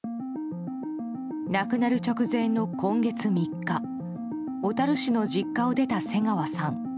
亡くなる直前の今月３日小樽市の実家を出た瀬川さん。